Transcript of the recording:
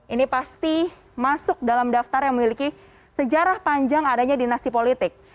ini pasti masuk dalam daftar yang memiliki sejarah panjang adanya dinasti politik